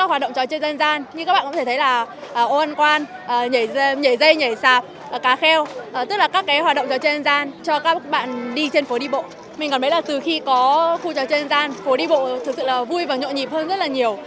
phố đi bộ thật sự là vui và nhộn nhịp hơn rất là nhiều